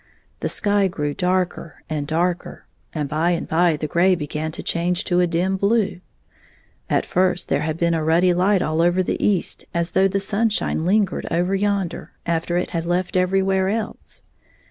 The sky grew darker and darker, and by and by the gray be gan to change to a dim blue. At first there had been a ruddy Ught all over the east, as though the sunshine lingered over yonder, after it had left everjTwhere else.